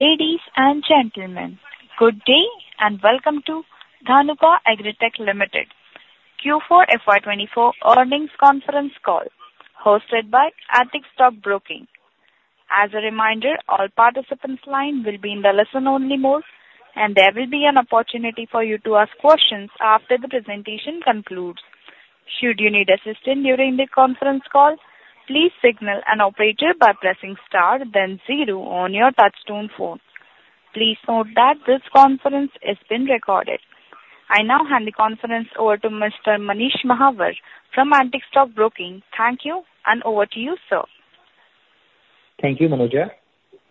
...Ladies and gentlemen, good day, and welcome to Dhanuka Agritech Limited Q4 FY24 earnings conference call, hosted by Antique Stock Broking. As a reminder, all participants' line will be in the listen-only mode, and there will be an opportunity for you to ask questions after the presentation concludes. Should you need assistance during the conference call, please signal an operator by pressing star then zero on your touch-tone phone. Please note that this conference is being recorded. I now hand the conference over to Mr. Manish Mahawar from Antique Stock Broking. Thank you, and over to you, sir. Thank you, Manuja.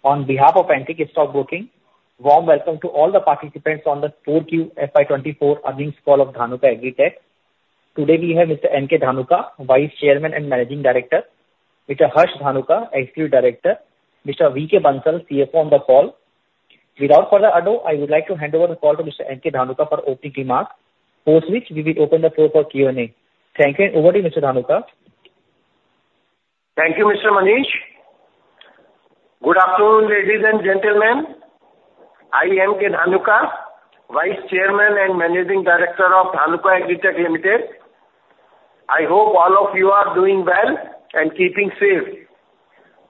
On behalf of Antique Stock Broking, warm welcome to all the participants on the Q4 FY 2024 earnings call of Dhanuka Agritech. Today we have Mr. N. K. Dhanuka, Vice Chairman and Managing Director, Mr. Harsh Dhanuka, Executive Director, Mr. V. K. Bansal, CFO on the call. Without further ado, I would like to hand over the call to Mr. N. K. Dhanuka for opening remarks, post which we will open the floor for Q&A. Thank you, and over to you, Mr. Dhanuka. Thank you, Mr. Manish. Good afternoon, ladies and gentlemen. I am K. Dhanuka, Vice Chairman and Managing Director of Dhanuka Agritech Limited. I hope all of you are doing well and keeping safe.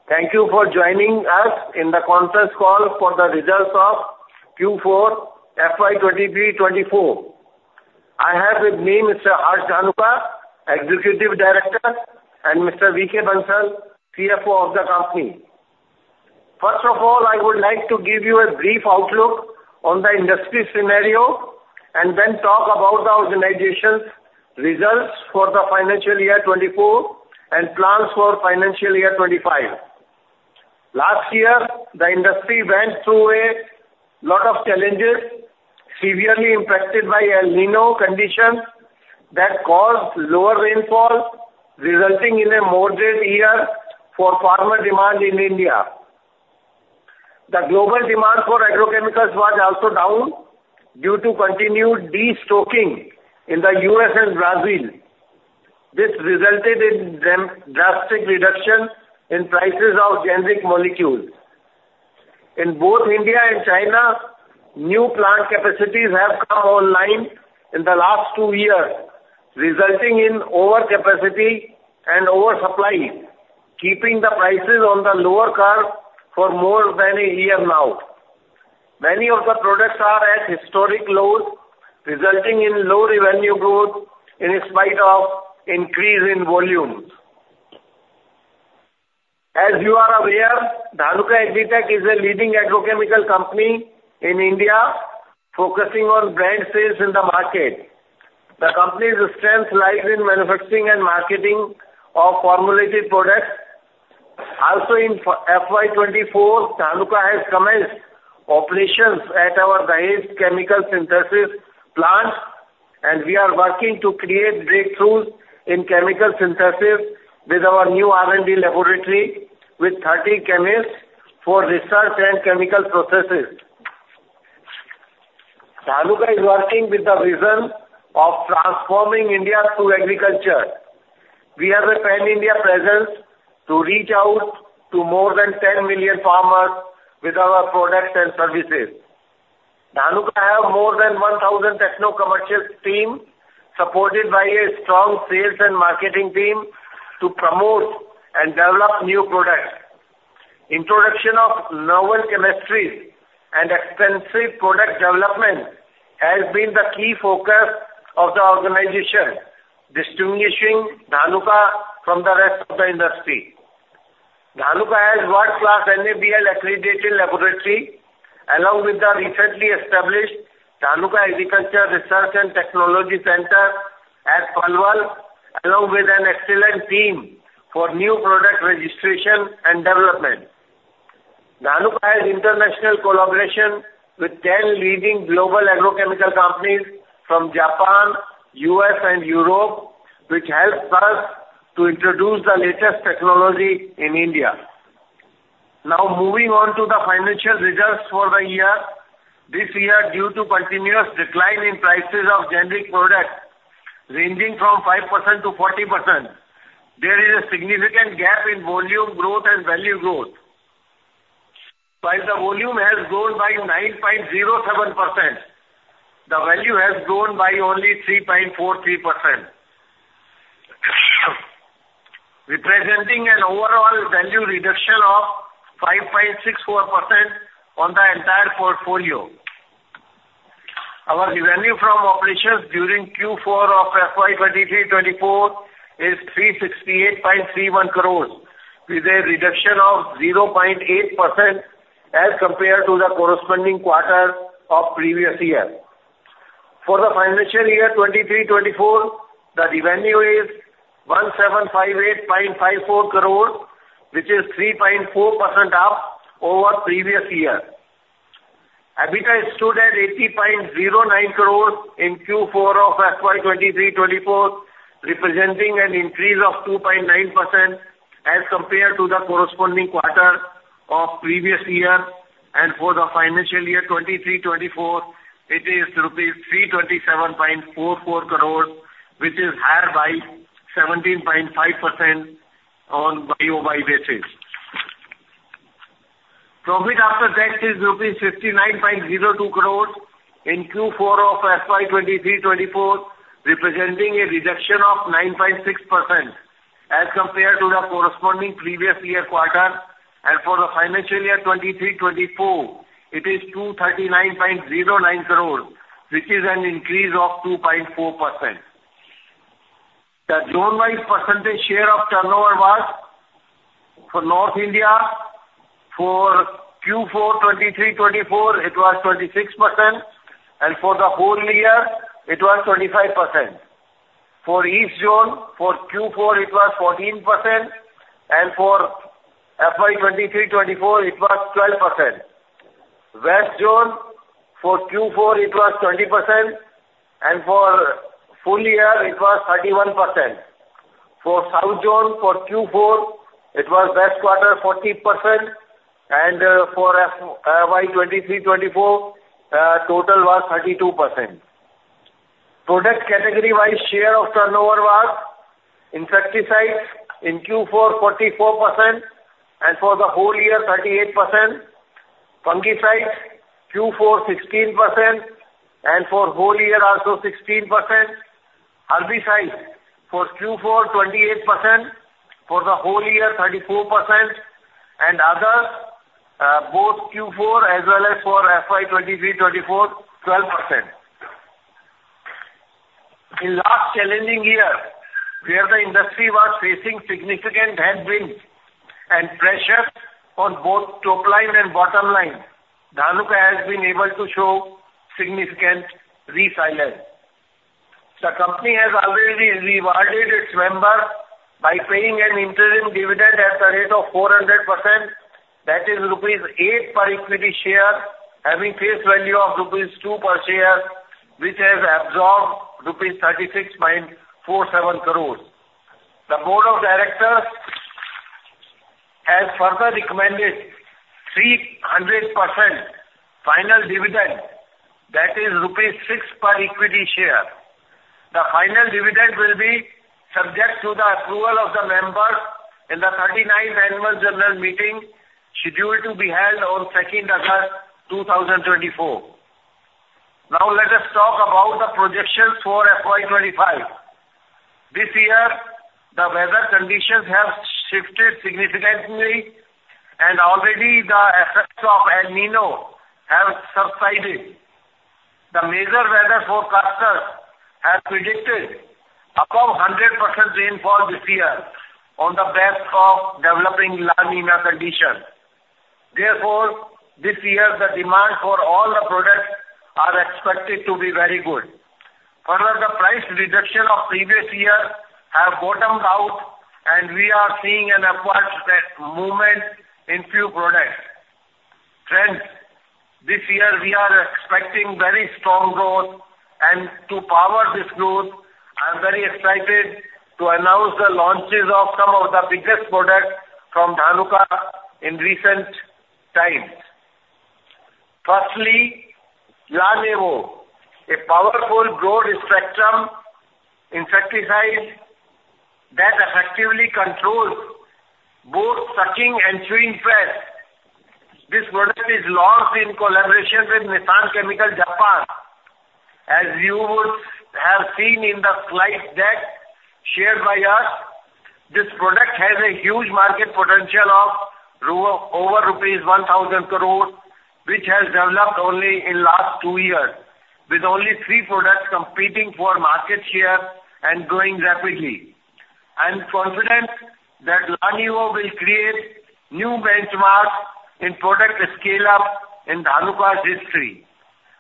Thank you for joining us in the conference call for the results of Q4 FY 2023-24. I have with me Mr. Harsh Dhanuka, Executive Director, and Mr. V. K. Bansal, CFO of the company. First of all, I would like to give you a brief outlook on the industry scenario, and then talk about the organization's results for the financial year 2024 and plans for financial year 2025. Last year, the industry went through a lot of challenges, severely impacted by El Niño conditions that caused lower rainfall, resulting in a moderate year for farmer demand in India. The global demand for agrochemicals was also down due to continued destocking in the U.S. and Brazil. This resulted in drastic reduction in prices of generic molecules. In both India and China, new plant capacities have come online in the last two years, resulting in overcapacity and oversupply, keeping the prices on the lower curve for more than a year now. Many of the products are at historic lows, resulting in low revenue growth in spite of increase in volumes. As you are aware, Dhanuka Agritech is a leading agrochemical company in India, focusing on brand sales in the market. The company's strength lies in manufacturing and marketing of formulated products. Also, in FY 2024, Dhanuka has commenced operations at our latest chemical synthesis plant, and we are working to create breakthroughs in chemical synthesis with our new R&D laboratory with 30 chemists for research and chemical processes. Dhanuka is working with the vision of transforming India through agriculture. We have a pan-India presence to reach out to more than 10 million farmers with our products and services. Dhanuka have more than 1,000 techno commercial team, supported by a strong sales and marketing team, to promote and develop new products. Introduction of novel chemistries and extensive product development has been the key focus of the organization, distinguishing Dhanuka from the rest of the industry. Dhanuka has world-class NABL accredited laboratory, along with the recently established Dhanuka Agriculture Research and Technology Center at Palwal, along with an excellent team for new product registration and development. Dhanuka has international collaboration with 10 leading global agrochemical companies from Japan, U.S., and Europe, which helps us to introduce the latest technology in India. Now, moving on to the financial results for the year. This year, due to continuous decline in prices of generic products ranging from 5%-40%, there is a significant gap in volume growth and value growth. While the volume has grown by 9.07%, the value has grown by only 3.43%, representing an overall value reduction of 5.64% on the entire portfolio. Our revenue from operations during Q4 of FY 2023-24 is 368.31 crores, with a reduction of 0.8% as compared to the corresponding quarter of previous year. For the financial year 2023-24, the revenue is 1,758.54 crores, which is 3.4% up over previous year. EBITDA stood at 80.09 crores in Q4 of FY 2023-24, representing an increase of 2.9% as compared to the corresponding quarter of previous year. For the financial year 2023-24, it is INR 327.44 crores, which is higher by 17.5% on YOY basis. Profit after tax is rupees 59.02 crores in Q4 of FY 2023-24, representing a reduction of 9.6% as compared to the corresponding previous year quarter. For the financial year 2023-24, it is 239.09 crores, which is an increase of 2.4%. The zone-wise percentage share of turnover was, for North India, for Q4 2023-24, it was 26%, and for the whole year, it was 25%. For East Zone, for Q4, it was 14%, and for FY 2023-24, it was 12%. West Zone, for Q4, it was 20%, and for full year, it was 31%. For South Zone, for Q4, it was best quarter, 40%, and for FY 2023-24, total was 32%. Product category-wise share of turnover was: insecticides in Q4, 44%, and for the whole year, 38%. Fungicides, Q4, 16%, and for whole year, also 16%. Herbicides, for Q4, 28%, for the whole year, 34%. And others, both Q4, as well as for FY 2023-24, 12%. In last challenging year, where the industry was facing significant headwinds and pressure on both top line and bottom line, Dhanuka has been able to show significant resilience. The company has already rewarded its members by paying an interim dividend at the rate of 400%, that is, rupees 8 per equity share, having face value of rupees 2 per share, which has absorbed rupees 36.47 crores. The board of directors has further recommended 300% final dividend, that is rupees 6 per equity share. The final dividend will be subject to the approval of the members in the 39th Annual General Meeting, scheduled to be held on 2nd August 2024. Now, let us talk about the projections for FY 25. This year, the weather conditions have shifted significantly, and already the effects of El Niño have subsided. The major weather forecasters have predicted above 100% rainfall this year on the back of developing La Niña conditions. Therefore, this year the demand for all the products are expected to be very good. Further, the price reduction of previous year have bottomed out, and we are seeing an upwards movement in few products. Friends, this year we are expecting very strong growth, and to power this growth, I am very excited to announce the launches of some of the biggest products from Dhanuka in recent times. Firstly, Lanevo, a powerful, broad-spectrum insecticide that effectively controls both sucking and chewing pests. This product is launched in collaboration with Nissan Chemical Japan. As you would have seen in the slide deck shared by us, this product has a huge market potential of over rupees 1,000 crore, which has developed only in last two years, with only three products competing for market share and growing rapidly. I am confident that Lanevo will create new benchmarks in product scale-up in Dhanuka's history.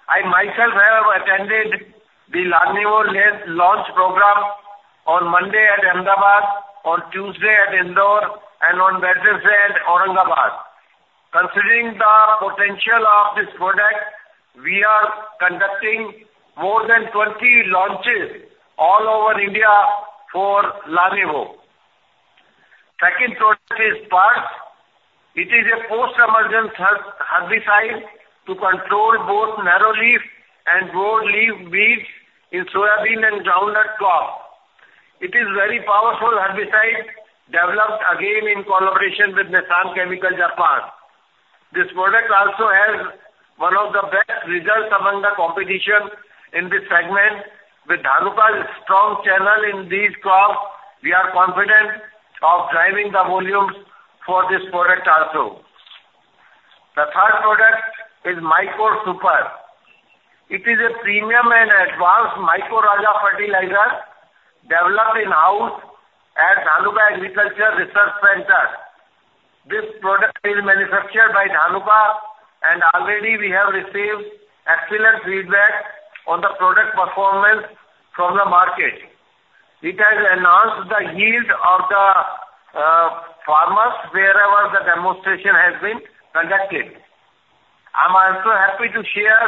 I myself have attended the Lanevo launch program on Monday at Ahmedabad, on Tuesday at Indore, and on Wednesday at Aurangabad. Considering the potential of this product, we are conducting more than 20 launches all over India for Lanevo. Second product is Purge. It is a post-emergence herbicide to control both narrow-leaf and broad-leaf weeds in soybean and groundnut crop. It is very powerful herbicide, developed again in collaboration with Nissan Chemical Japan. This product also has one of the best results among the competition in this segment. With Dhanuka's strong channel in these crops, we are confident of driving the volumes for this product also. The third product is Mycore Super. It is a premium and advanced mycorrhiza fertilizer developed in-house at Dhanuka Agriculture Research Center. This product is manufactured by Dhanuka, and already we have received excellent feedback on the product performance from the market. It has enhanced the yield of the farmers wherever the demonstration has been conducted. I'm also happy to share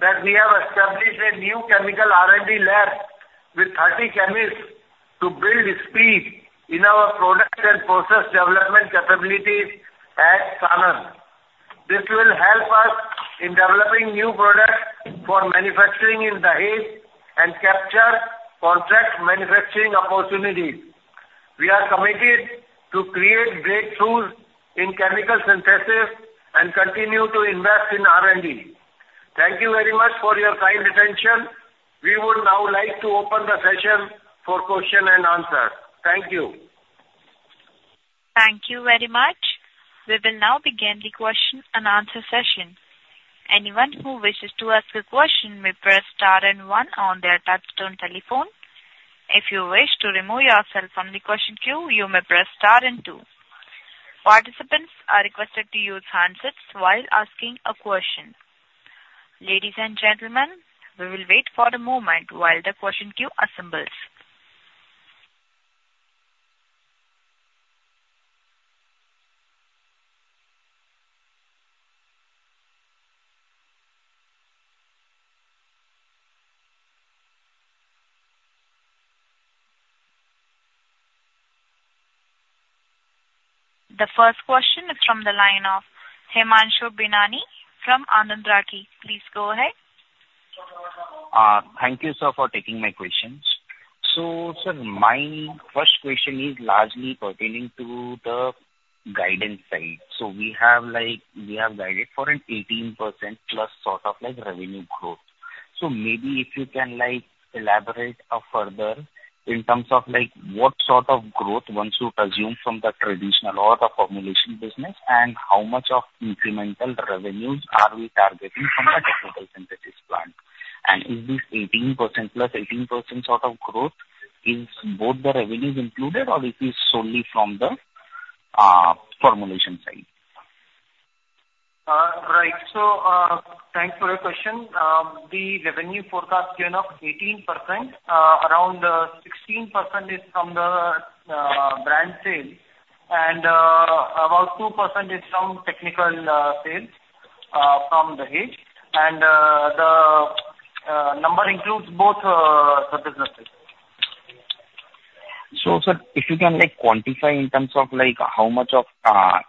that we have established a new chemical R&D lab with 30 chemists to build speed in our product and process development capabilities at Sanand, helping us in developing new products for manufacturing in Dahej and capture contract manufacturing opportunities. We are committed to create breakthroughs in chemical synthesis and continue to invest in R&D. Thank you very much for your kind attention. We would now like to open the session for question and answer. Thank you. Thank you very much. We will now begin the question and answer session. Anyone who wishes to ask a question may press star and one on their touchtone telephone. If you wish to remove yourself from the question queue, you may press star and two. Participants are requested to use handsets while asking a question. Ladies and gentlemen, we will wait for a moment while the question queue assembles. The first question is from the line of Himanshu Binani from Anand Rathi. Please go ahead. Thank you, sir, for taking my questions. So sir, my first question is largely pertaining to the guidance side. So we have like, we have guided for an 18%+ sort of like revenue growth. So maybe if you can like elaborate further in terms of like what sort of growth one should assume from the traditional or the formulation business, and how much of incremental revenues are we targeting from the technical synthesis plant? And is this 18%+, 18% sort of growth, is both the revenues included or it is solely from the formulation side? Right. So, thanks for your question. The revenue forecast gain of 18%, around 16% is from the brand sales, and about 2% is from technical sales from Dahej. The number includes both the businesses. So sir, if you can like quantify in terms of like how much of,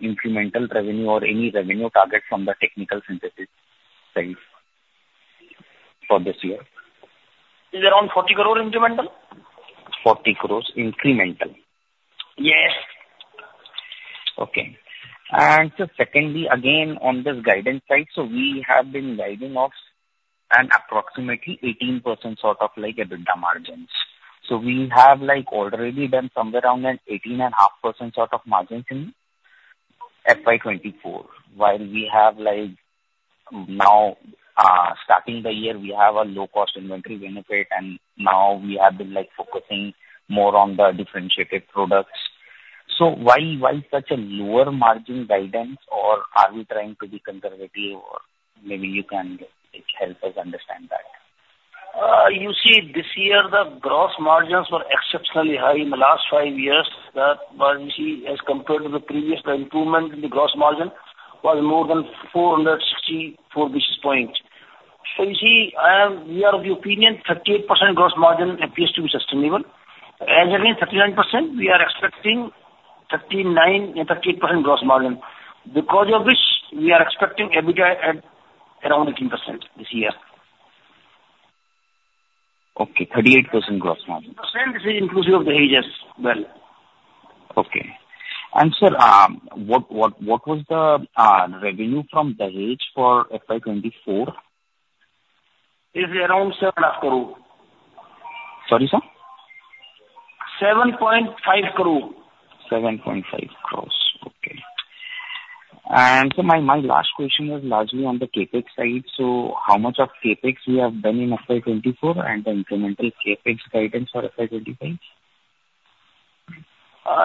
incremental revenue or any revenue target from the technical synthesis side for this year? It's around 40 crore incremental. 40 crore incremental? Yes. Okay. And so secondly, again, on this guidance side, so we have been guiding of an approximately 18% sort of like EBITDA margins. So we have like already done somewhere around an 18.5% sort of margins in FY 2024, while we have like now, starting the year, we have a low-cost inventory benefit, and now we have been like focusing more on the differentiated products. So why, why such a lower margin guidance, or are we trying to be conservative, or maybe you can, like, help us understand that? You see, this year the gross margins were exceptionally high in the last five years. That was, you see, as compared to the previous, the improvement in the gross margin was more than 464 basis points. So you see, we are of the opinion 38% gross margin appears to be sustainable. And again, 39%, we are expecting 39% and 38% gross margin, because of which we are expecting EBITDA at around 18% this year. Okay, 38% gross margin. % is inclusive of the Dahej as well. Okay. And sir, what was the revenue from Dahej for FY 2024? It's around 7.5 crore. Sorry, sir? 7.5 crore. 7.5 crore, okay. And so my last question was largely on the CapEx side. So how much of CapEx you have done in FY 2024 and the incremental CapEx guidance for FY 2025?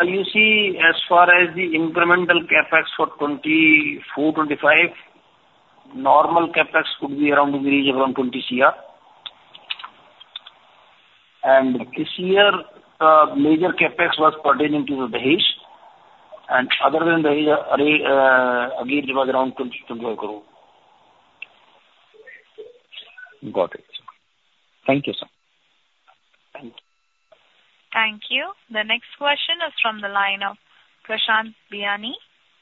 You see, as far as the incremental CapEx for 2024, 2025, normal CapEx could be around the range around 20 crore. This year, major CapEx was pertaining to the Dahej, and other than Dahej, again, it was around INR 20 crore. Got it. Thank you, sir. Thank you. Thank you. The next question is from the line of Prashant Biyani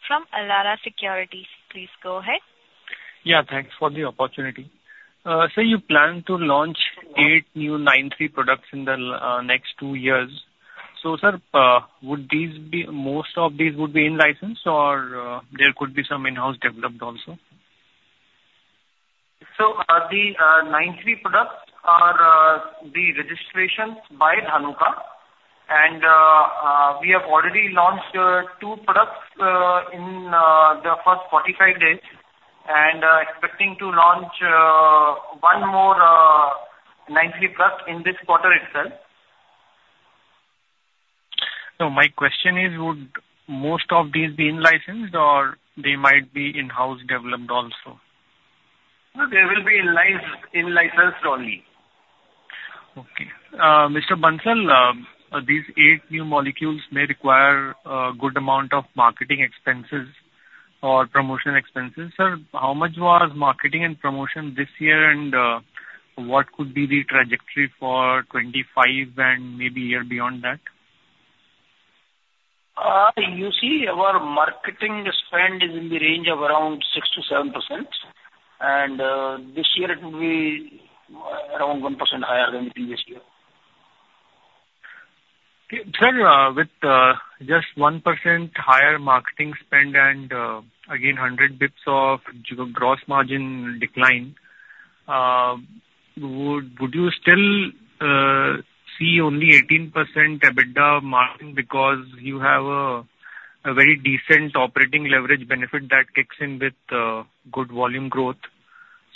from Elara Securities. Please go ahead. Yeah, thanks for the opportunity. Sir, you plan to launch eight new 9(3) products in the next two years. So, sir, would these be... most of these would be in-license or there could be some in-house developed also? The 9(3) products are the registrations by Dhanuka, and we have already launched 2 products in the first 45 days, and expecting to launch 1 more 93 product in this quarter itself. No, my question is, would most of these be in-licensed or they might be in-house developed also? No, they will be in-licensed only. Okay. Mr. Bansal, these eight new molecules may require a good amount of marketing expenses or promotion expenses. Sir, how much was marketing and promotion this year, and what could be the trajectory for 25 and maybe year beyond that? ... you see, our marketing spend is in the range of around 6%-7%, and this year it will be around 1% higher than the previous year. Okay. Sir, with just 1% higher marketing spend and again, 100 basis points of gross margin decline, would you still see only 18% EBITDA margin because you have a very decent operating leverage benefit that kicks in with good volume growth?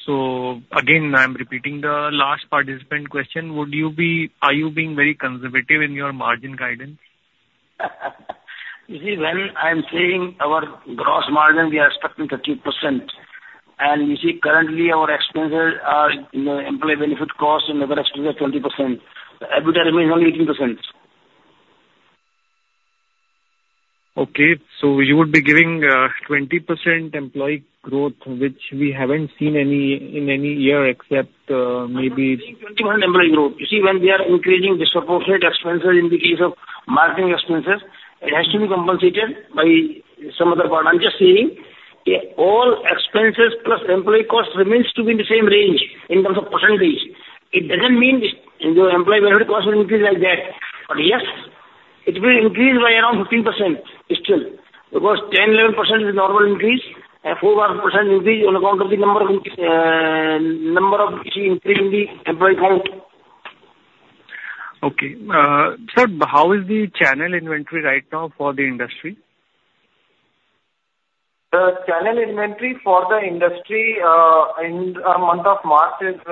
So again, I'm repeating the last participant question: Would you be-- are you being very conservative in your margin guidance? You see, when I'm saying our gross margin, we are expecting 13%. And you see, currently our expenses are, you know, employee benefit costs and other expenses are 20%. The EBITDA remains only 18%. Okay, so you would be giving 20% employee growth, which we haven't seen in any year except maybe- I'm not saying 21 employee growth. You see, when we are increasing disproportionate expenses in the case of marketing expenses, it has to be compensated by some other part. I'm just saying that all expenses plus employee costs remains to be in the same range in terms of percentages. It doesn't mean the employee benefit costs will increase like that. But yes, it will increase by around 15% still, because 10-11% is the normal increase, and 4-1% increase on account of the number of increase in the employee count. Okay. Sir, how is the channel inventory right now for the industry? The channel inventory for the industry in the month of March has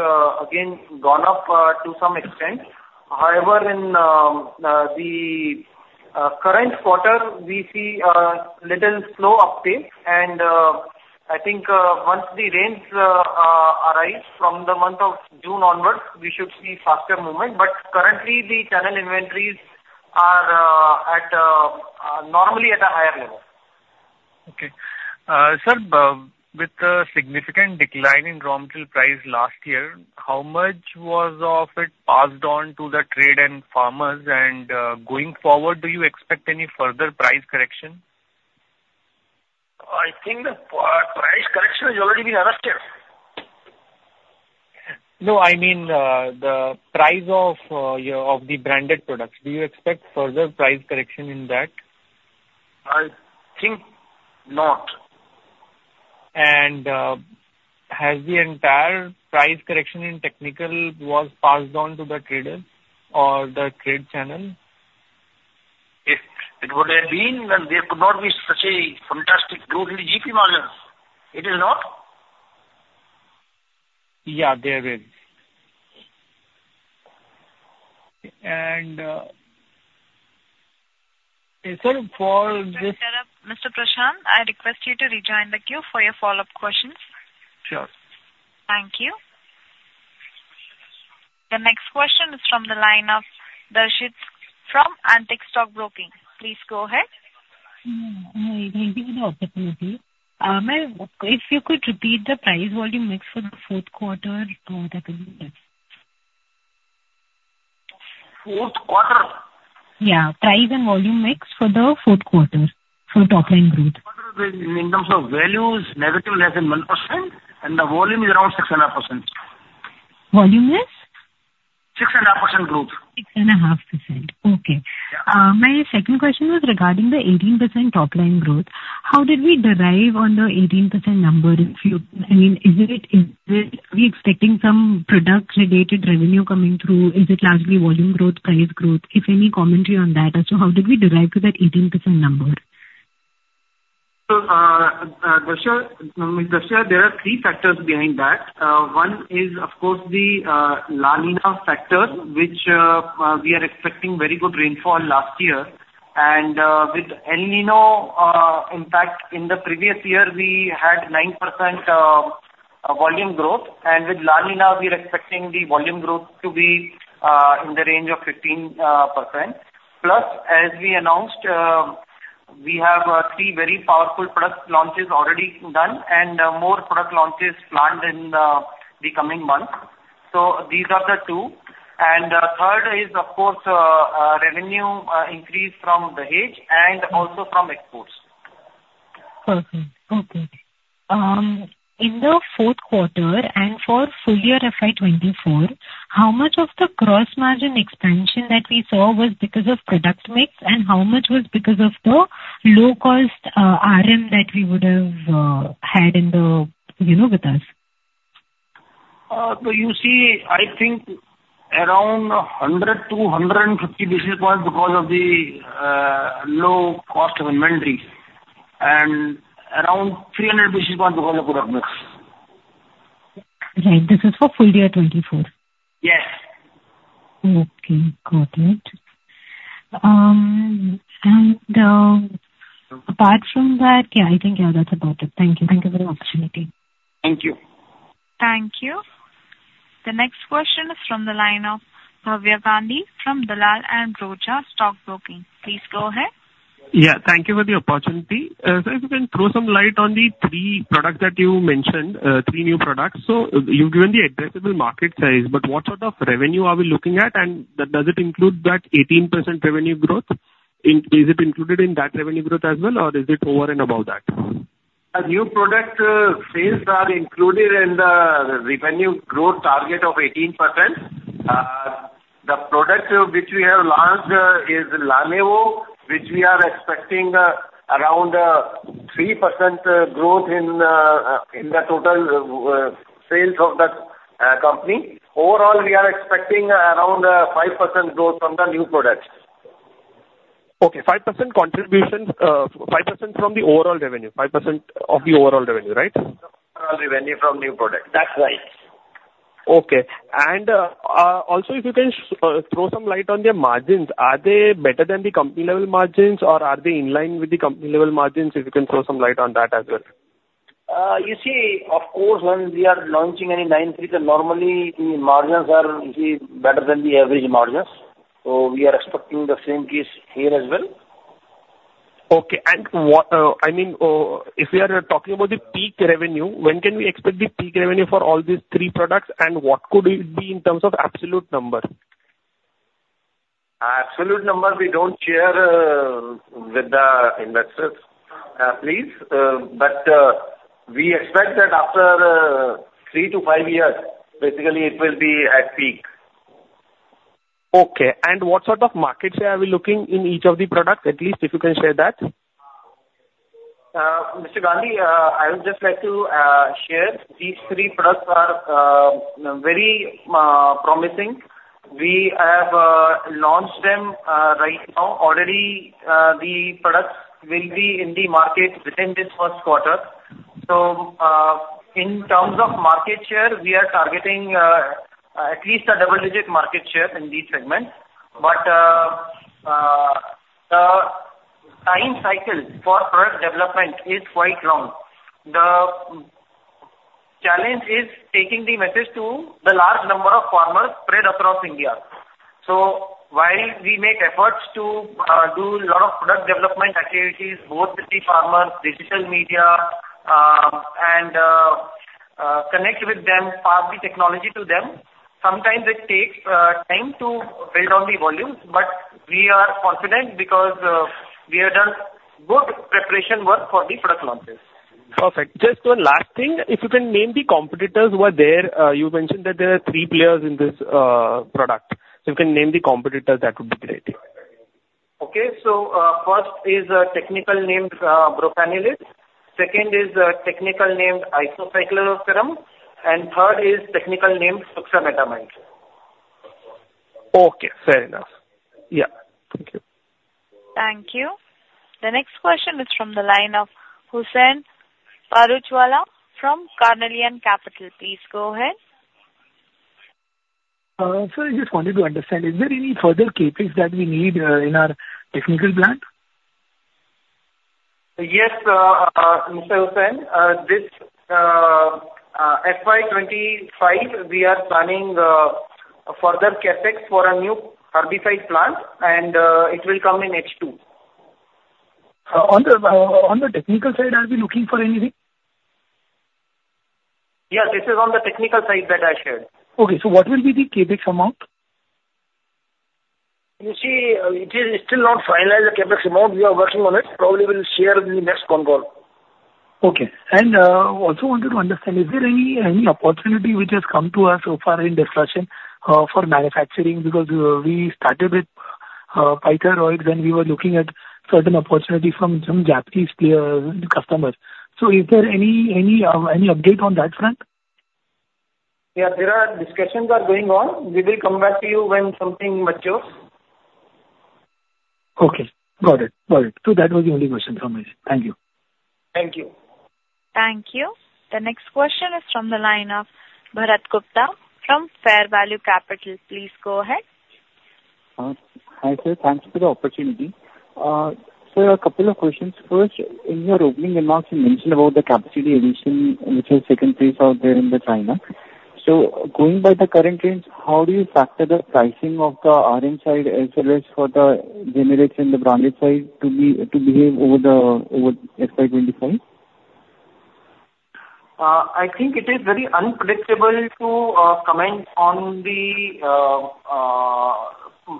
again gone up to some extent. However, in the current quarter, we see a little slow uptake. And I think once the rains arrive from the month of June onwards, we should see faster movement. But currently, the channel inventories are normally at a higher level. Okay. Sir, with a significant decline in raw material price last year, how much was of it passed on to the trade and farmers? And, going forward, do you expect any further price correction? I think the price correction has already been arrested. No, I mean, the price of, yeah, of the branded products. Do you expect further price correction in that? I think not. Has the entire price correction in technical was passed on to the trader or the trade channel? If it would have been, then there could not be such a fantastic growth in GP margin. It is not? Yeah, there is. And, sir, for this- Mr. Prashant, I request you to rejoin the queue for your follow-up questions. Sure. Thank you. The next question is from the line of Darshit from Antique Stock Broking. Please go ahead. Thank you for the opportunity. If you could repeat the price volume mix for the fourth quarter, that would be best. Fourth quarter? Yeah, price and volume mix for the fourth quarter, for top line growth. In terms of values, negative, less than 1%, and the volume is around 6.5%. Volume is? 6.5% growth. 6.5%. Okay. Yeah. My second question was regarding the 18% top line growth. How did we derive on the 18% number in future? I mean, is it, is it, are we expecting some product-related revenue coming through? Is it largely volume growth, price growth? If any commentary on that as to how did we derive to that 18% growth % number? So, Darshit, there are three factors behind that. One is, of course, the La Niña factor, which we are expecting very good rainfall last year. And with El Niño, in fact, in the previous year, we had 9% volume growth. And with La Niña, we are expecting the volume growth to be in the range of 15%. Plus, as we announced, we have three very powerful product launches already done and more product launches planned in the coming months. So these are the two. And the third is, of course, revenue increase from the age and also from exports. Perfect. Okay. In the fourth quarter and for full year FY 2024, how much of the gross margin expansion that we saw was because of product mix, and how much was because of the low cost, RM, that we would have had in the... You know, with us? So you see, I think around 100-150 basis points because of the low cost of inventory, and around 300 basis points because of product mix. Right. This is for full year 2024? Yes. Okay, got it. Apart from that, yeah, I think yeah, that's about it. Thank you. Thank you for the opportunity. Thank you. Thank you. The next question is from the line of Bhavya Gandhi from Dalal & Broacha Stock Broking. Please go ahead. Yeah, thank you for the opportunity. So if you can throw some light on the three products that you mentioned, three new products. So you've given the addressable market size, but what sort of revenue are we looking at? And does it include that 18% revenue growth? Is it included in that revenue growth as well, or is it over and above that? ...A new product, sales are included in the revenue growth target of 18%. The product which we have launched is Lanevo, which we are expecting around three percent growth in, in the total sales of that company. Overall, we are expecting around five percent growth from the new products. Okay, 5% contribution, 5% from the overall revenue, 5% of the overall revenue, right? Overall revenue from new products. That's right. Okay. Also, if you can throw some light on their margins, are they better than the company level margins, or are they in line with the company level margins? If you can throw some light on that as well. You see, of course, when we are launching any line feature, normally the margins are usually better than the average margins, so we are expecting the same case here as well. Okay. What, I mean, if we are talking about the peak revenue, when can we expect the peak revenue for all these three products, and what could it be in terms of absolute number? Absolute number, we don't share with the investors, please. We expect that after 3-5 years, basically it will be at peak. Okay. And what sort of market share are we looking in each of the products, at least if you can share that? Mr. Gandhi, I would just like to share. These three products are very promising. We have launched them right now. Already, the products will be in the market within this first quarter. So, in terms of market share, we are targeting at least a double-digit market share in these segments. But the time cycle for product development is quite long. The challenge is taking the message to the large number of farmers spread across India. So while we make efforts to do lot of product development activities, both the farmers, digital media, and connect with them, pass the technology to them, sometimes it takes time to build on the volumes. But we are confident because we have done good preparation work for the product launches. Perfect. Just one last thing. If you can name the competitors who are there, you mentioned that there are three players in this product. So you can name the competitors, that would be great. Okay. So, first is a technical named Broflanilide, second is a technical named Isocycloseram, and third is technical named Fluametamide. Okay, fair enough. Yeah, thank you. Thank you. The next question is from the line of Hussein Paruchwala from Carnelian Capital. Please go ahead. I just wanted to understand, is there any further CapEx that we need in our technical plant? Yes, Mr. Hussein, this FY 25, we are planning further CapEx for a new herbicide plant, and it will come in H2. On the, on the technical side, are we looking for anything? Yes, this is on the technical side that I shared. Okay, so what will be the CapEx amount? You see, it is still not finalized, the CapEx amount. We are working on it. Probably we'll share in the next con call. Okay. And, also wanted to understand, is there any opportunity which has come to us so far in discussion for manufacturing? Because, we started with pyrethroids, and we were looking at certain opportunities from some Japanese players, customers. So is there any update on that front? Yeah, there are discussions going on. We will come back to you when something matures. Okay, got it. Got it. So that was the only question from me. Thank you. Thank you. Thank you. The next question is from the line of Bharat Gupta from Fair Value Capital. Please go ahead. Hi, sir. Thanks for the opportunity. So a couple of questions. First, in your opening remarks, you mentioned about the capacity addition, which is second phase out there in China. So going by the current trends, how do you factor the pricing of the RM side as well as for the generics and the branded side to be, to behave over the, over FY25? I think it is very unpredictable to comment on the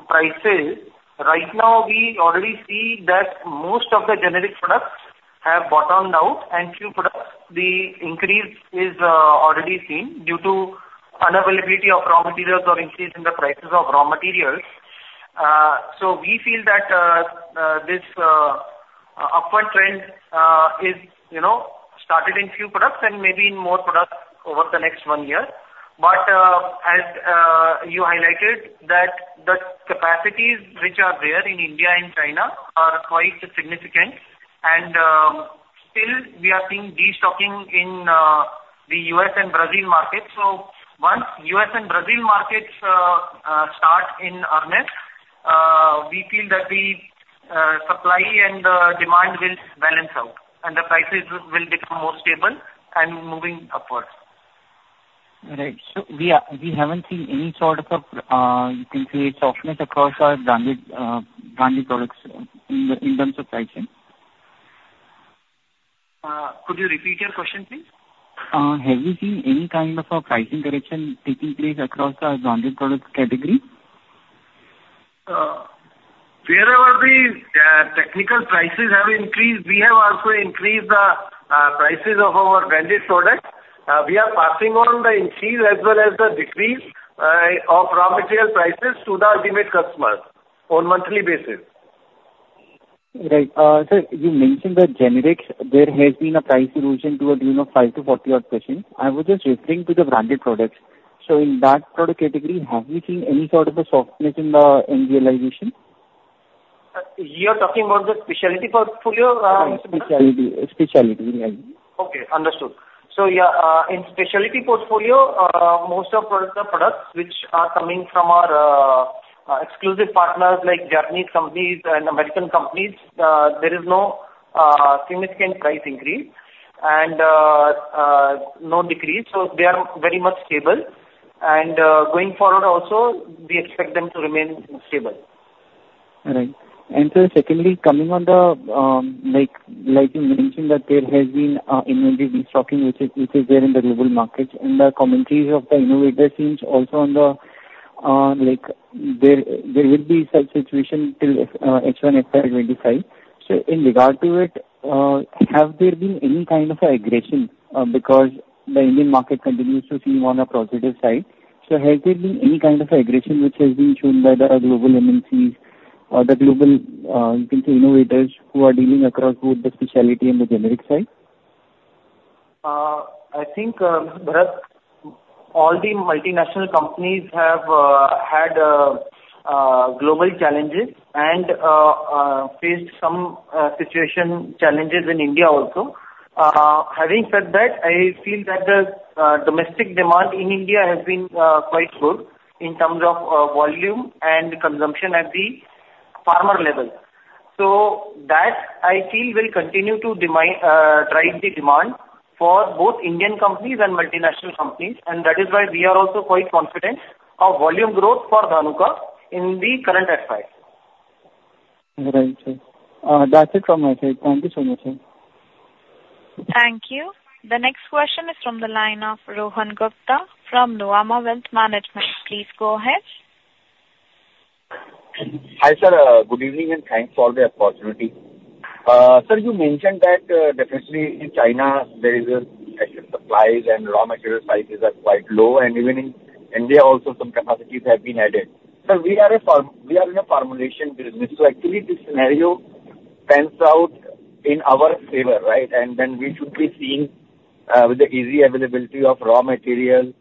prices. Right now, we already see that most of the generic products have bottomed out, and few products, the increase is already seen due to unavailability of raw materials or increase in the prices of raw materials. So we feel that this upward trend, you know, is started in few products and maybe in more products over the next one year. But as you highlighted that the capacities which are there in India and China are quite significant, and still we are seeing destocking in the US and Brazil markets. So once US and Brazil markets start in earnest, we feel that the supply and demand will balance out, and the prices will become more stable and moving upwards. Right. So we haven't seen any sort of, you can say, softness across our branded products in terms of pricing? Could you repeat your question, please? Have you seen any kind of a pricing correction taking place across our branded products category?... Wherever the technical prices have increased, we have also increased the prices of our branded products. We are passing on the increase as well as the decrease of raw material prices to the ultimate customers on monthly basis. Right. Sir, you mentioned that generics, there has been a price erosion to the tune of 5%-40% odd. I was just referring to the branded products. So in that product category, have you seen any sort of a softness in the novelization? You are talking about the specialty portfolio, Bharat? Specialty, specialty, yeah. Okay, understood. So, yeah, in specialty portfolio, most of products are products which are coming from our, exclusive partners, like Japanese companies and American companies. There is no, significant price increase and, no decrease, so they are very much stable. And, going forward also, we expect them to remain stable. Right. And so secondly, coming on the, like you mentioned, that there has been a inventory restocking, which is there in the global markets and the commentaries of the innovator seems also on the, like there will be such situation till H1 FY25. So in regard to it, have there been any kind of aggression, because the Indian market continues to seem on a positive side. So has there been any kind of aggression which has been shown by the global MNCs or the global, you can say innovators who are dealing across both the specialty and the generic side? I think, Bharat, all the multinational companies have had global challenges and faced some situation challenges in India also. Having said that, I feel that the domestic demand in India has been quite good in terms of volume and consumption at the farmer level. So that, I feel, will continue to drive the demand for both Indian companies and multinational companies, and that is why we are also quite confident of volume growth for Dhanuka in the current FY. Right, sir. That's it from my side. Thank you so much, sir. Thank you. The next question is from the line of Rohan Gupta from Nuvama Wealth Management. Please go ahead. Hi, sir. Good evening, and thanks for the opportunity. Sir, you mentioned that, definitely in China, there is excess supplies and raw material prices are quite low, and even in India, also some capacities have been added. Sir, we are in a formulation business, so actually this scenario pans out in our favor, right? And then we should be seeing, with the easy availability of raw material,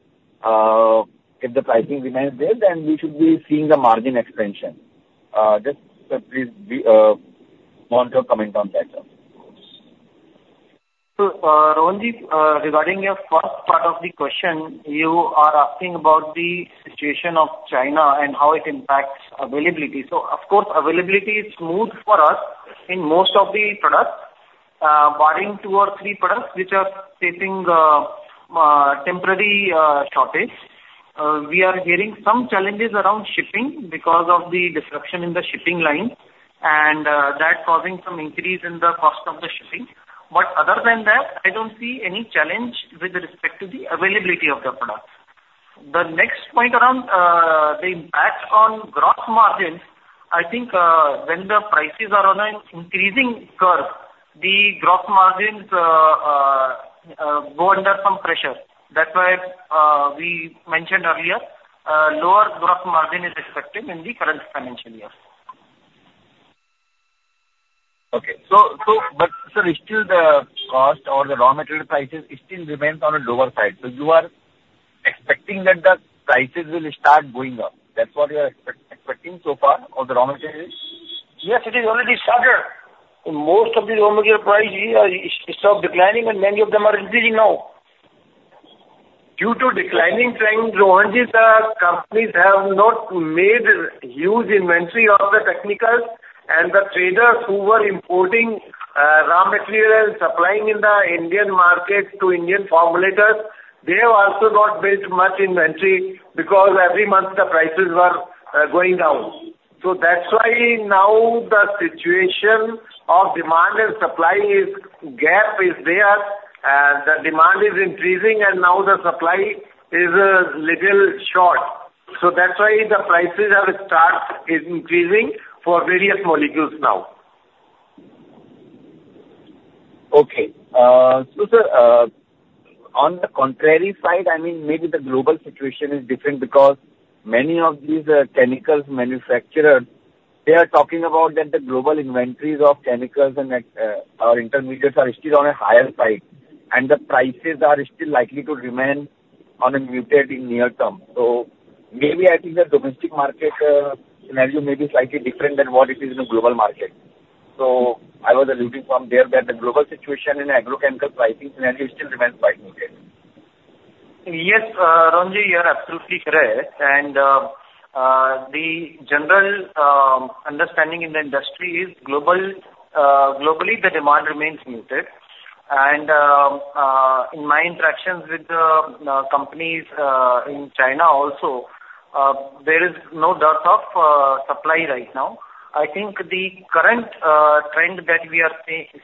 if the pricing remains there, then we should be seeing the margin expansion. Just, please, want your comment on that, sir. So, Rohan, regarding your first part of the question, you are asking about the situation of China and how it impacts availability. So of course, availability is smooth for us in most of the products, barring two or three products, which are facing temporary shortage. We are hearing some challenges around shipping because of the disruption in the shipping line, and that causing some increase in the cost of the shipping. But other than that, I don't see any challenge with respect to the availability of the products. The next point around the impact on gross margins, I think, when the prices are on an increasing curve, the gross margins go under some pressure. That's why we mentioned earlier, lower gross margin is expected in the current financial year. Okay. So, but sir, still the cost or the raw material prices still remains on a lower side. So you are expecting that the prices will start going up. That's what you are expecting so far on the raw materials? Yes, it is already started. Most of the raw material prices have stopped declining, and many of them are increasing now. Due to declining trend, Rohan, the companies have not made huge inventory of the technicals, and the traders who were importing raw materials, supplying in the Indian market to Indian formulators, they have also not built much inventory because every month the prices were going down. So that's why now the situation of demand and supply is a gap there, the demand is increasing and now the supply is a little short. So that's why the prices have started increasing for various molecules now. Okay. So sir, on the contrary side, I mean, maybe the global situation is different because many of these chemicals manufacturers, they are talking about that the global inventories of chemicals and or intermediates are still on a higher side, and the prices are still likely to remain on a muted in near term. So maybe I think the domestic market scenario may be slightly different than what it is in the global market. So I was alluding from there that the global situation in agrochemical pricing scenario still remains quite muted. Yes, Rohan, you are absolutely correct. And, the general understanding in the industry is globally, the demand remains muted. And, in my interactions with the companies in China also, there is no dearth of supply right now. I think the current trend that we are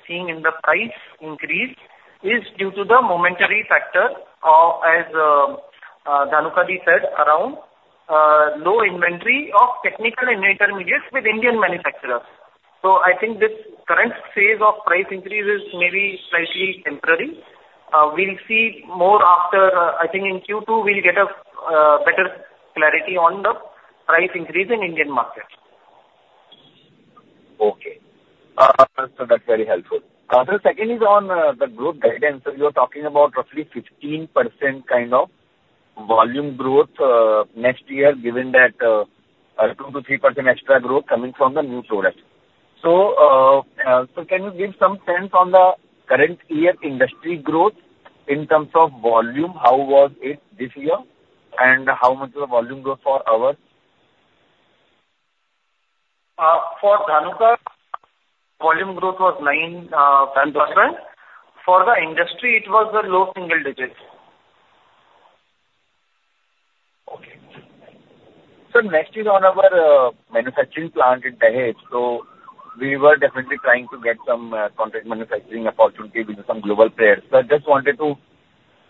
seeing in the price increase is due to the momentary factor, as Dhanuka said, around low inventory of technical and intermediates with Indian manufacturers. So I think this current phase of price increase is maybe slightly temporary. We'll see more after, I think in Q2, we'll get a better clarity on the price increase in Indian market. Okay. So that's very helpful. The second is on the group guidance. So you are talking about roughly 15% kind of volume growth next year, given that 2%-3% extra growth coming from the new product. So can you give some sense on the current year industry growth in terms of volume? How was it this year, and how much was the volume growth for ours? For Dhanuka, volume growth was 9%-10%. For the industry, it was the low single digits. Okay. So next is on our manufacturing plant in Dahej. So we were definitely trying to get some contract manufacturing opportunity with some global players. So I just wanted to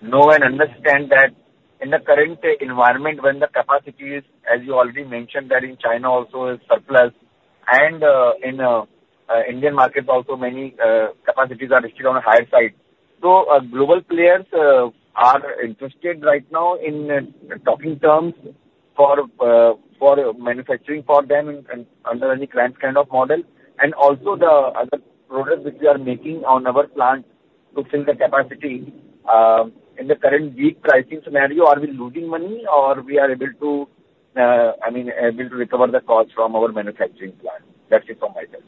know and understand that in the current environment, when the capacity is, as you already mentioned, that in China also is surplus, and in Indian markets also many capacities are still on a higher side. So global players are interested right now in talking terms for manufacturing for them and under any client kind of model, and also the other products which we are making on our plant to fill the capacity, in the current weak pricing scenario, are we losing money or we are able to, I mean, able to recover the cost from our manufacturing plant? That's it from my side.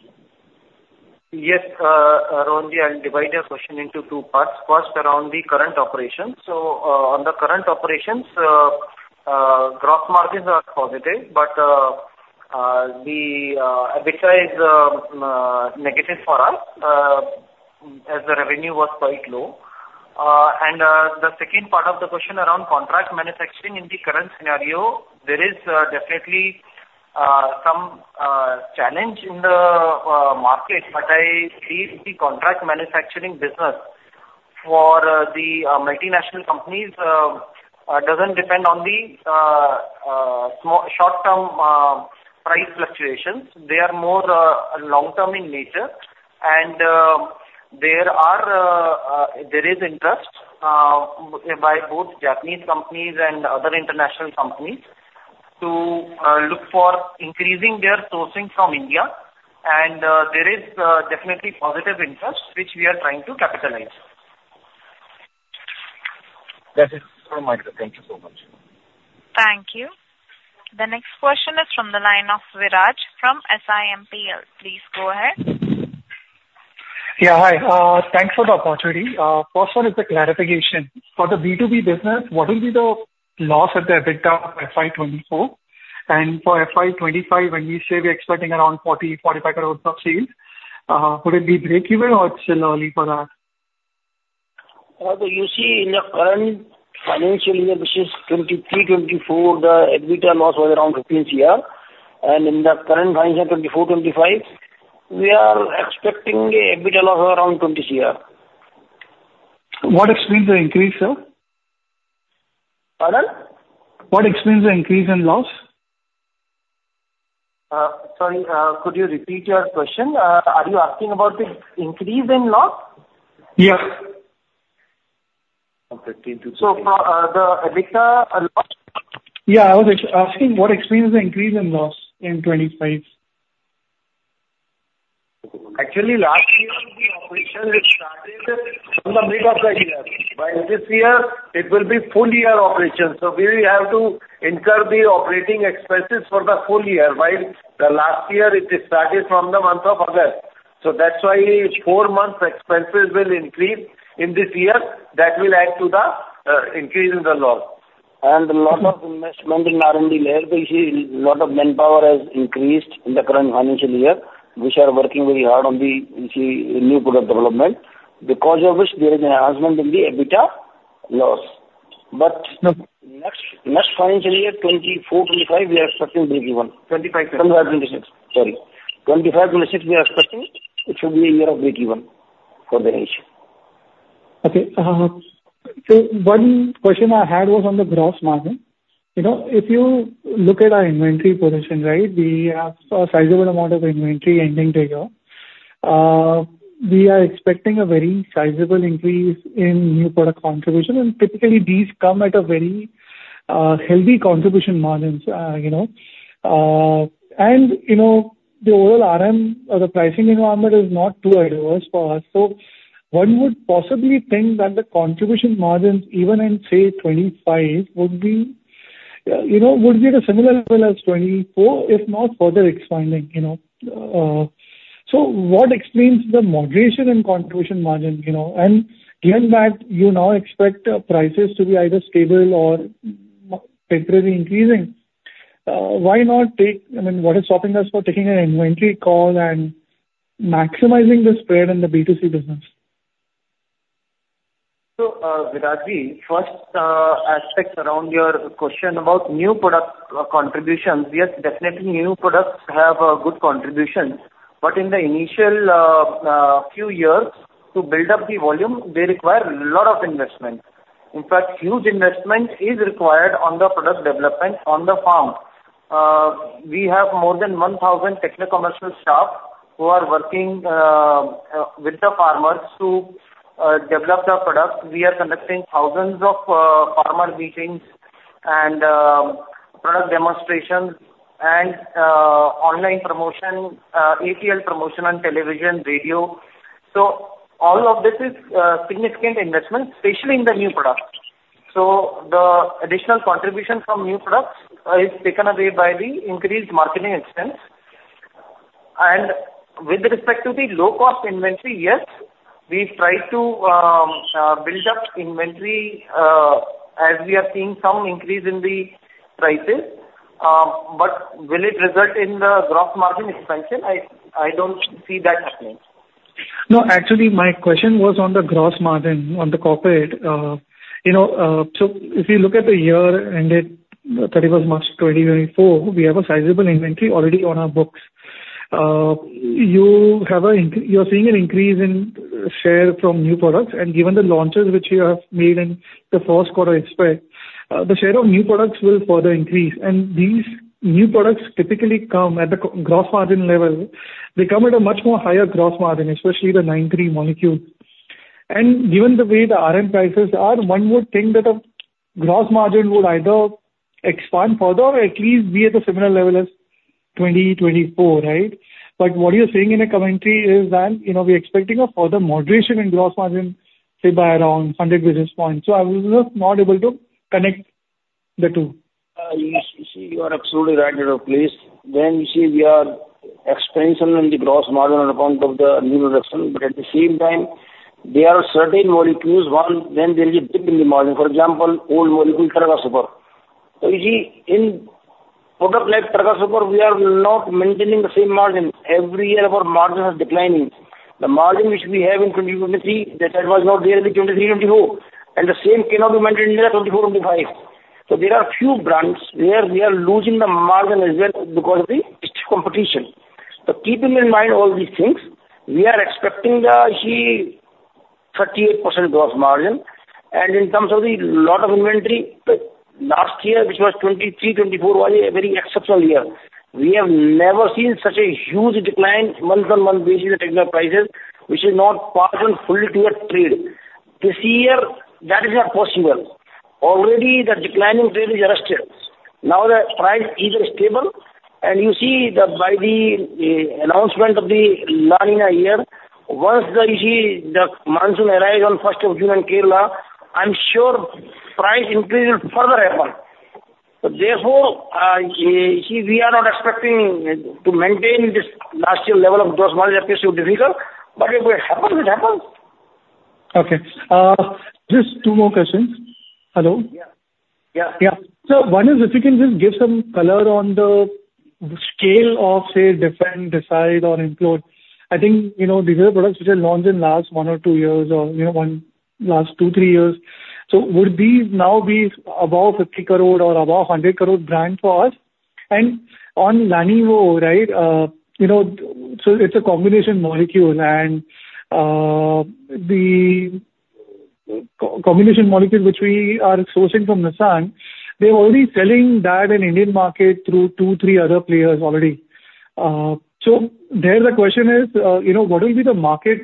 Yes, Rohan, I'll divide your question into two parts. First, around the current operations. So, on the current operations, gross margins are positive, but the EBITDA is negative for us, as the revenue was quite low. And, the second part of the question around contract manufacturing in the current scenario, there is definitely some challenge in the market, but I believe the contract manufacturing business for the multinational companies doesn't depend on the short-term price fluctuations. They are more long-term in nature, and there is interest by both Japanese companies and other international companies to look for increasing their sourcing from India, and there is definitely positive interest, which we are trying to capitalize. That is from my side. Thank you so much. Thank you. The next question is from the line of Viraj from SIMPL. Please go ahead. Yeah, hi. Thanks for the opportunity. First one is the clarification. For the B2B business, what will be the loss at the EBITDA FY 2024? And for FY 2025, when you say we're expecting around 40-45 crores of sales, would it be break even or it's still early for that? So you see in the current financial year, which is 2023-2024, the EBITDA loss was around 15 crore. In the current financial 2024-2025, we are expecting a EBITDA loss of around 20 crore. What explains the increase, sir? Pardon? What explains the increase in loss? Sorry, could you repeat your question? Are you asking about the increase in loss? Yes. From 15 to- So, for the EBITDA, yeah, I was asking, what explains the increase in loss in 25? Actually, last year, the operation was started from the mid of the year, while this year it will be full year operation, so we will have to incur the operating expenses for the full year, while the last year it started from the month of August. So that's why four months expenses will increase in this year. That will add to the increase in the loss. And a lot of investment in R&D labor, you see, a lot of manpower has increased in the current financial year, which are working very hard on the, you see, new product development, because of which there is an enhancement in the EBITDA loss. But- Okay... next, next financial year, 2024-2025, we are expecting breakeven. 2025. 2025-2026. Sorry. 2025-2026, we are expecting it should be a year of breakeven for Dahej. Okay. So one question I had was on the gross margin. You know, if you look at our inventory position, right, we have a sizable amount of inventory ending the year. We are expecting a very sizable increase in new product contribution, and typically these come at a very healthy contribution margins, you know. And, you know, the overall RM or the pricing environment is not too adverse for us. So one would possibly think that the contribution margins, even in, say, 25, would be, you know, would be at a similar level as 24, if not further expanding, you know? So what explains the moderation in contribution margin, you know, and given that you now expect prices to be either stable or temporarily increasing, why not take... I mean, what is stopping us from taking an inventory call and maximizing the spread in the B2C business? ... So, Virajji, first aspect around your question about new product contributions. Yes, definitely new products have a good contribution, but in the initial few years to build up the volume, they require a lot of investment. In fact, huge investment is required on the product development on the farm. We have more than 1,000 technical commercial staff who are working with the farmers to develop the product. We are conducting thousands of farmer meetings and product demonstrations and online promotion, ATL promotion on television, radio. So all of this is significant investment, especially in the new product. So the additional contribution from new products is taken away by the increased marketing expense. With respect to the low-cost inventory, yes, we try to build up inventory as we are seeing some increase in the prices. But will it result in the gross margin expansion? I don't see that happening. No, actually, my question was on the gross margin on the corporate. You know, so if you look at the year ended 31 March 2024, we have a sizable inventory already on our books. You are seeing an increase in share from new products, and given the launches which you have made in the first quarter itself, the share of new products will further increase. And these new products typically come at the gross margin level. They come at a much more higher gross margin, especially the 93 molecule. And given the way the RM prices are, one would think that the gross margin would either expand further or at least be at a similar level as 2024, right? But what you're saying in a commentary is that, you know, we're expecting a further moderation in gross margin, say by around 100 basis points. So I was just not able to connect the two. Yes, you see, you are absolutely right, you know, please. When you see we are expansion in the gross margin on account of the new production, but at the same time, there are certain molecules, one, when there is a dip in the margin, for example, old molecule, Targa Super. So you see, in product like Targa Super, we are not maintaining the same margin. Every year, our margin is declining. The margin which we have in 2023, that was not there in the 2023-24, and the same cannot be maintained in the 2024-25. So there are a few brands where we are losing the margin as well because of the stiff competition. So keeping in mind all these things, we are expecting the, you see, 38% gross margin. In terms of the lot of inventory, last year, which was 2023-2024, was a very exceptional year. We have never seen such a huge decline month-on-month basis in the technical prices, which is not passed on fully to your trade. This year, that is not possible. Already the declining trade is arrested. Now the price is stable, and you see that by the announcement of the La Niña year, once the, you see, the monsoon arrives on first of June in Kerala, I'm sure price increase will further happen. So therefore, you see, we are not expecting to maintain this last year level of gross margin, that is so difficult, but if it happens, it happens. Okay. Just two more questions. Hello? Yeah. Yeah. Yeah. So one is, if you can just give some color on the scale of, say, Defend, Decide or Include. I think, you know, these are products which are launched in last 1 or 2 years or, you know, 1, last 2, 3 years. So would these now be above 50 crore or above 100 crore brand for us? And on LaNivo, right, you know, so it's a combination molecule and, the combination molecule which we are sourcing from Nissan, they're already selling that in Indian market through 2, 3 other players already. So there the question is, you know, what will be the market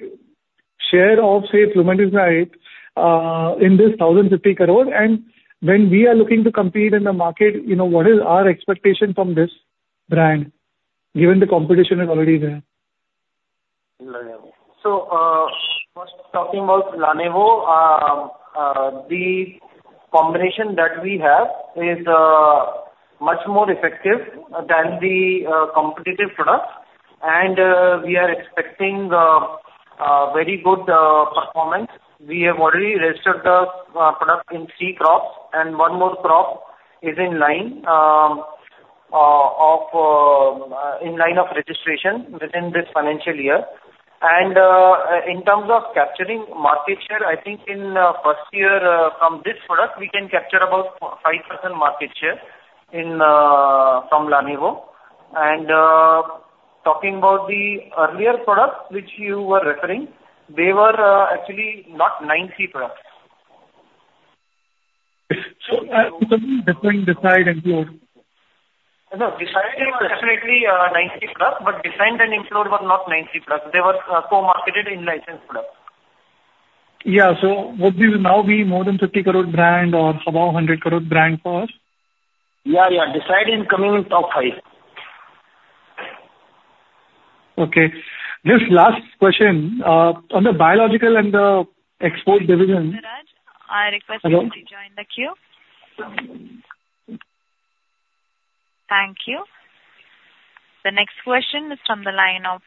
share of, say, Fluxametamide, in this 1,050 crores? And when we are looking to compete in the market, you know, what is our expectation from this brand, given the competition is already there? So, first, talking about LaNivo, the combination that we have is much more effective than the competitive products, and we are expecting a very good performance. We have already registered the product in three crops, and one more crop is in line of registration within this financial year. In terms of capturing market share, I think in first year from this product, we can capture about 5% market share from LaNivo. Talking about the earlier product, which you were referring, they were actually not nine-three products. So, between Defend, Decide and Include. No, Decide was definitely a nine-three product, but Defend and Include were not nine-three products. They were, co-marketed in licensed products. Yeah. So would this now be more than 50 crore brand or above 100 crore brand for us? Yeah, yeah. Decide is coming in top five. Okay. Just last question on the biological and the export division? Siraj, I request you to join the queue. Hello. Thank you. The next question is from the line of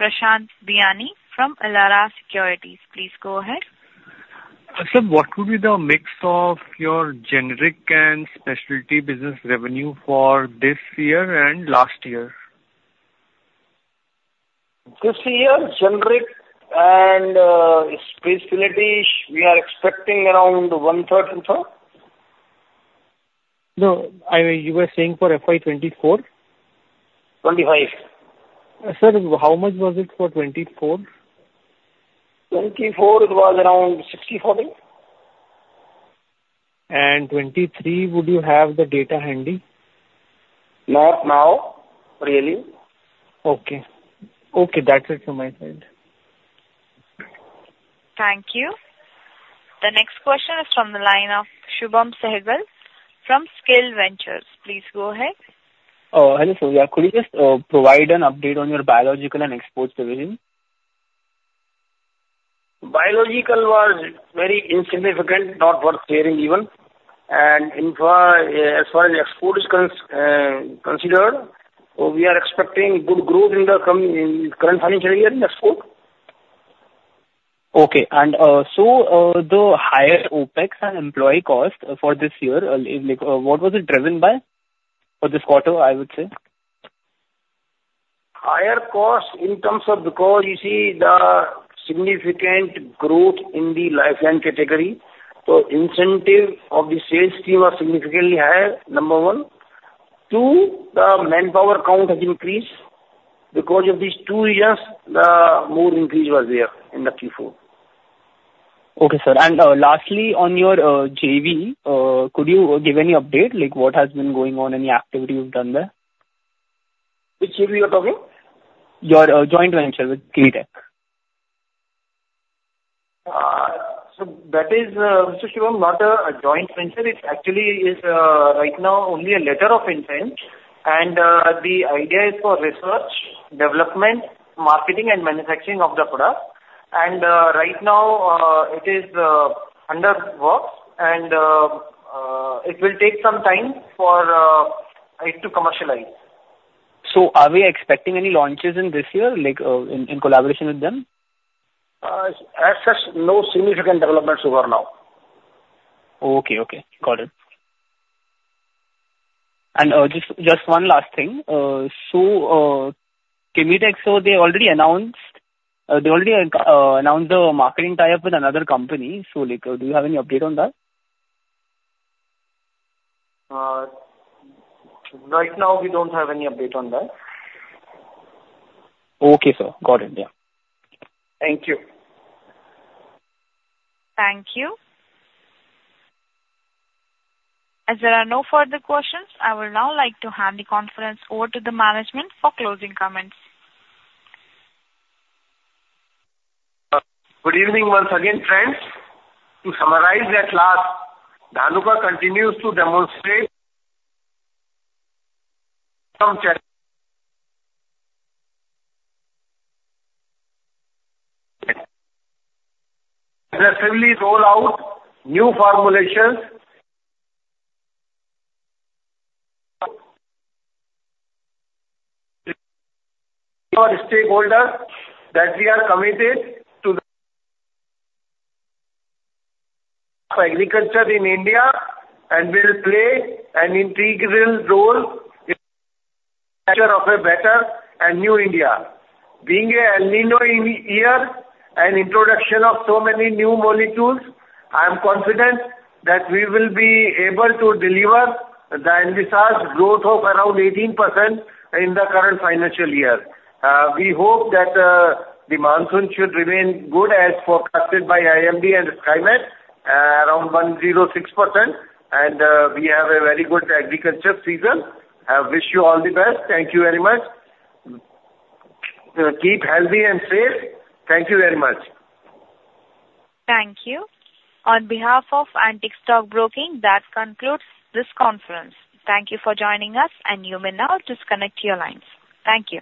Prashant Biyani from Elara Securities. Please go ahead. Sir, what would be the mix of your generic and specialty business revenue for this year and last year? ... This year, generic and, speciality, we are expecting around one third. No, you were saying for FY 2024? Twenty-five. Sir, how much was it for 24? 2024, it was around 64 million. 23, would you have the data handy? Not now, really. Okay. Okay, that's it from my side. Thank you. The next question is from the line of Shubham Sehgal from Skill Ventures. Please go ahead. Hello, sir. Could you just provide an update on your biological and exports division? Biological was very insignificant, not worth sharing even. And insofar as exports are concerned, we are expecting good growth in the current, in current financial year in export. Okay. So, the higher OpEx and employee cost for this year, like, what was it driven by? For this quarter, I would say. Higher costs in terms of, because you see the significant growth in the lifeline category, so incentive of the sales team are significantly higher, number one. Two, the manpower count has increased. Because of these two years, the more increase was there in the Q4. Okay, sir. Lastly, on your JV, could you give any update, like what has been going on, any activity you've done there? Which JV you are talking? Your joint venture with Kimitec. So that is, Mr. Shubham, not a joint venture. It actually is, right now, only a letter of intent, and the idea is for research, development, marketing and manufacturing of the product. Right now, it is under work and it will take some time for it to commercialize. So are we expecting any launches in this year, like, in collaboration with them? As such, no significant developments over now. Okay, okay. Got it. Just one last thing. So, Kimitec, so they already announced the marketing tie-up with another company. So, like, do you have any update on that? Right now, we don't have any update on that. Okay, sir. Got it. Yeah. Thank you. Thank you. As there are no further questions, I would now like to hand the conference over to the management for closing comments. Good evening once again, friends. To summarize at last, Dhanuka continues to demonstrate aggressively roll out new formulations. Our stakeholder, that we are committed to the agriculture in India and will play an integral role in of a better and new India. Being an El Niño year and introduction of so many new molecules, I am confident that we will be able to deliver the envisaged growth of around 18% in the current financial year. We hope that the monsoon should remain good as forecasted by IMD and Skymet, around 106%, and we have a very good agriculture season. I wish you all the best. Thank you very much. Keep healthy and safe. Thank you very much. Thank you. On behalf of Antique Stock Broking, that concludes this conference. Thank you for joining us, and you may now disconnect your lines. Thank you.